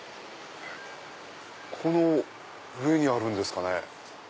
この上にあるんですかね。